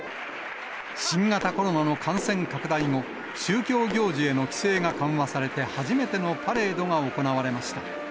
新型コロナの感染拡大後、宗教行事への規制が緩和されて初めてのパレードが行われました。